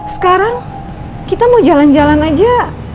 sekarang kita mau jalan jalan aja